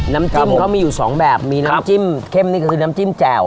น้ำจิ้มเขามีอยู่สองแบบมีน้ำจิ้มเข้มนี่คือน้ำจิ้มแจ่ว